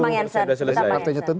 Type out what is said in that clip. sebentar bang jensen